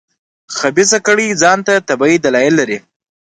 خبیثه کړۍ ځان ته طبیعي دلایل لري.